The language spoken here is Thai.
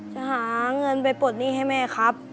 จะหาเงินไปปลดหนี้ให้แม่ครับ